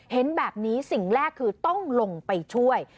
เห็นแบบนี้สิ่งแรกคือต้องลงไปช่วย